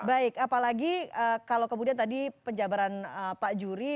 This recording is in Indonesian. baik apalagi kalau kemudian tadi penjabaran pak juri